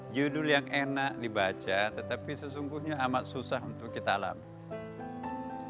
judul yang enak dibaca tetapi sesungguhnya amat susah untuk kita alami